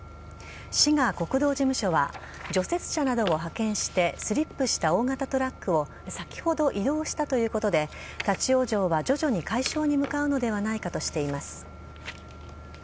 滋賀国道事務所は、除雪車などを派遣してスリップした大型トラックを先ほど移動したということで、立往生は徐々に解消に向かうのではないかとしています。